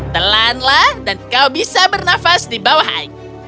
telanlah dan kau bisa bernafas di bawah air